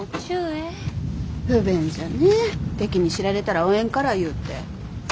不便じゃねえ敵に知られたらおえんからいうて。